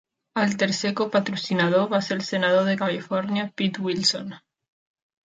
El tercer co-patrocinador va ser el senador de Califòrnia Pete Wilson.